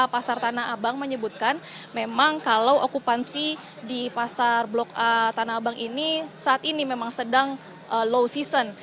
pasar tanah abang menyebutkan memang kalau okupansi di pasar blok a tanah abang ini saat ini memang sedang low season